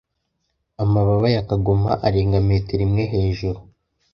Amababa ya kagoma arenga metero imwe hejuru.